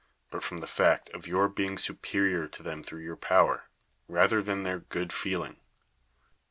34 CLEON but from the fact of your beiii<? superior to ihom through your power, leather than their good feeling.